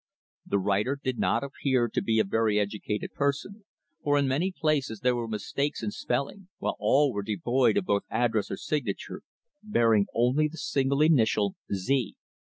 The writer did not appear to be a very educated person, for in many places there were mistakes in spelling, while all were devoid of both address or signature, bearing only the single initial "Z."